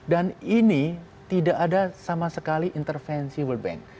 dan ini tidak ada sama sekali intervensi world bank